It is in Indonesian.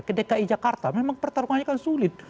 ke dki jakarta memang pertarungannya kan sulit